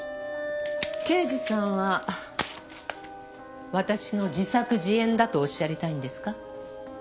刑事さんは私の自作自演だとおっしゃりたいんですか？